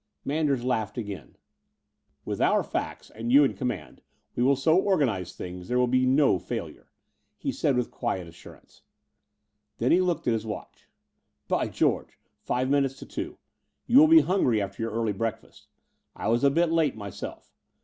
Manders laughed again. "With our facts and you in command we will so organize things that there will be no failure," he said with quiet assurance. Then he looked at his watch. "By George, five minutes to two! You will be « hungry after your early breakfast: I was a bit late myself.